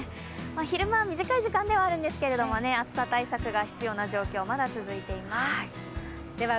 昼間、短い時間ではあるんですけど、暑さ対策が必要な状況、まだ続いています。